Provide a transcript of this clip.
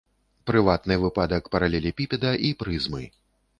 Прыватны выпадак паралелепіпеда і прызмы.